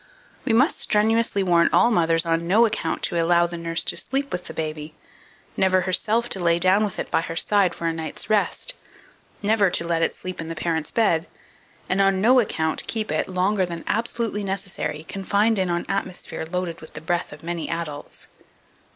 2469. We must strenuously warn all mothers on no account to allow the nurse to sleep with the baby, never herself to lay down with it by her side for a night's rest, never to let it sleep in the parents' bed, and on no account keep it, longer than absolutely necessary, confined in on atmosphere loaded with the breath of many adults.